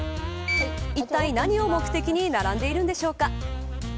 いったい何を目的に並んでいるんでしょうか。